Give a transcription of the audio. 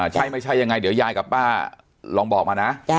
ใช่ไม่ใช่ยังไงเดี๋ยวยายกับป้าลองบอกมานะ